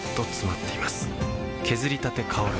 削りたて香る